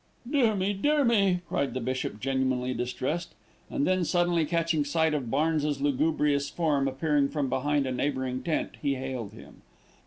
"Dear me, dear me!" cried the bishop, genuinely distressed, and then, suddenly catching sight of Barnes's lugubrious form appearing from behind a neighbouring tent, he hailed him.